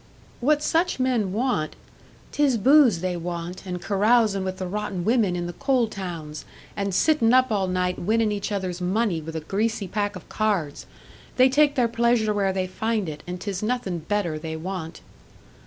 "What such men want " "'Tis booze they want, and carousin' with the rotten women in the coal towns, and sittin' up all night winnin' each other's money with a greasy pack of cards! They take their pleasure where they find it, and 'tis nothin' better they want."